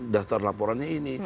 daftar laporannya ini